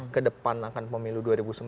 ke depan akan pemilu dua ribu sembilan belas